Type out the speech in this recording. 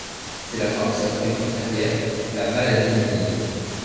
C'est la fin de sa prolifique carrière, la maladie le mine.